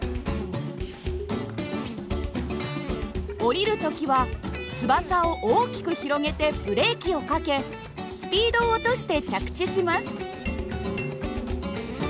下りる時は翼を大きく広げてブレーキをかけスピードを落として着地します。